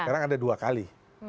dulu itu dua kali